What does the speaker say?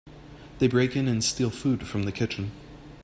They break in and steal food from the kitchen.